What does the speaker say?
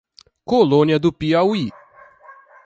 Colônia do Piauí